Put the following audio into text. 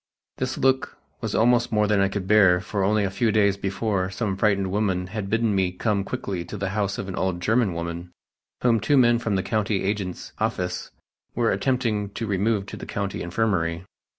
This look was almost more than I could bear for only a few days before some frightened women had bidden me come quickly to the house of an old German woman, whom two men from the country agent's office were attempting to remove to the County Infirmary.